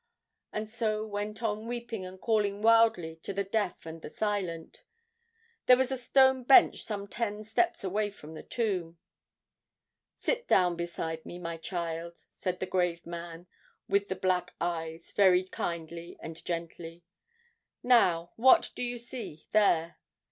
and so went on weeping and calling wildly on the deaf and the silent. There was a stone bench some ten steps away from the tomb. 'Sit down beside me, my child,' said the grave man with the black eyes, very kindly and gently. 'Now, what do you see there?'